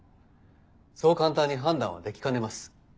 そう簡単に判断はできかねます。